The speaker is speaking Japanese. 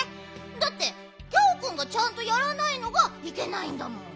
だってギャオくんがちゃんとやらないのがいけないんだもん。